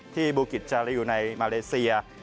ที่บูกิตจะริวในมาเลเซีย